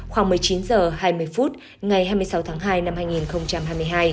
khoảng một mươi chín h hai mươi phút ngày hai mươi sáu tháng hai năm hai nghìn hai mươi hai